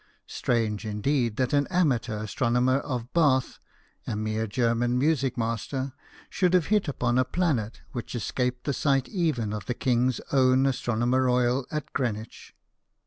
Strange, indeed, that an amateur astronomer of Bath, a mere German music master, should have hit upon a planet which escaped the sight even of the king's own Astronomer Royal at Greenwich.